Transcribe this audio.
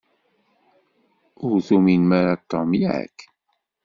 Ur tuminem ara Tom, yak?